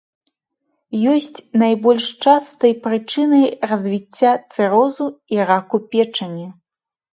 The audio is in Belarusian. Ёсць найбольш частай прычынай развіцця цырозу і раку печані.